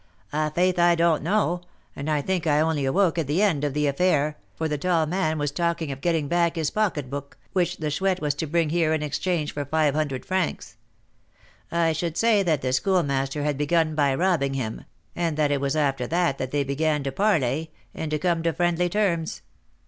"I'faith I don't know, and I think I only awoke at the end of the affair, for the tall man was talking of getting back his pocketbook, which the Chouette was to bring here in exchange for five hundred francs. I should say that the Schoolmaster had begun by robbing him, and that it was after that that they began to parley, and to come to friendly terms."